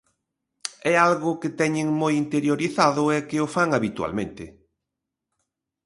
É algo que teñen moi interiorizado e que o fan habitualmente.